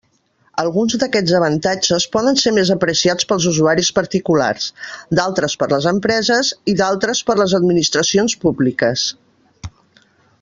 Alguns d'aquests avantatges poden ser més apreciats pels usuaris particulars, d'altres per les empreses i d'altres per les administracions públiques.